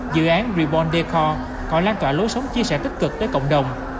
dự án reborn decor còn lan tỏa lối sống chia sẻ tích cực tới cộng đồng